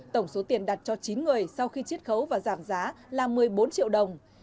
tổng số tiền đặt cho chín người sau khi chiết khấu và giảm giá là một mươi bốn triệu đồng